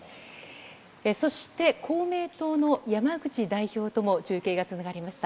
そして、公明党の山口代表とも中継がつながりました。